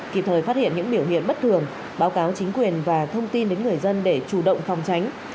kịp thời phát hiện những biểu hiện bất thường báo cáo chính quyền và thông tin đến người dân để chủ động phòng tránh